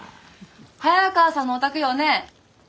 早川さんのお宅よね？